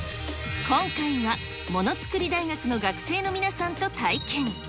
今回は、ものつくり大学の学生の皆さんと体験。